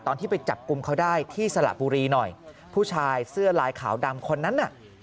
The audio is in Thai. ตอนที่ไปจับกลุ่มเขาได้ที่สระบุรีหน่อยผู้ชายเสื้อลายขาวดำคนนั้นน่ะ